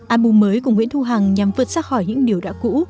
album mới của nguyễn thu hằng nhằm vượt xác hỏi những điều đã cũ